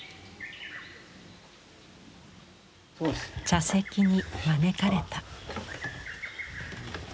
茶席に招かれた。